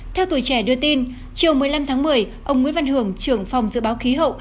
theo tuổi trẻ đưa tin chiều một mươi năm tháng một mươi ông nguyễn văn hưởng trưởng phòng dự báo khí hậu